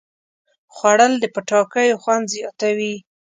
خوړل د پټاکیو خوند زیاتوي